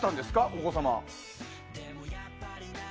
お子様。